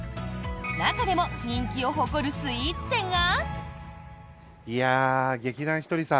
中でも人気を誇るスイーツ店が。